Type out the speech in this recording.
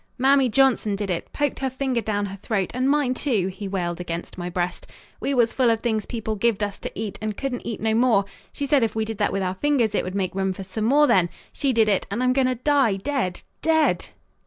"Mamie Johnson did it poked her finger down her throat and mine, too," he wailed against my breast. "We was full of things people gived us to eat and couldn't eat no more. She said if we did that with our fingers it would make room for some more then. She did it, and I'm going to die dead dead!